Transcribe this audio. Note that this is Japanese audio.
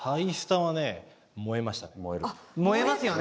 燃えますよね。